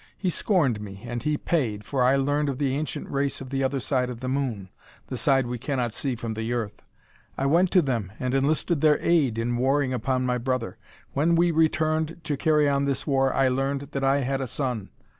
He scorned me and he paid, for I learned of the ancient race of the other side of the Moon, the side we can not see from the earth. I went to them and enlisted their aid in warring upon my brother. When we returned to carry on this war I learned that I had a son.